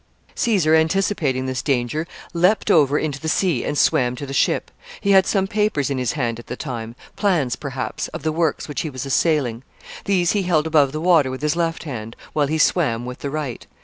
Caesar, anticipating this danger, leaped over into the sea and swam to the ship. He had some papers in his hand at the time plans, perhaps, of the works which he was assailing. These he held above the water with his left hand, while he swam with the right.